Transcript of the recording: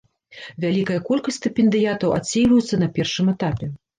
Вялікая колькасць стыпендыятаў адсейваюцца на першым этапе.